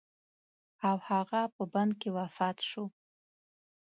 او هغه په بند کې وفات شو.